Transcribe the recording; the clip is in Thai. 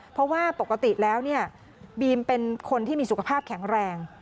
เพราะว่าปกติแล้วเนี่ยบีมเป็นคนที่มีสุขภาพแข็งแรง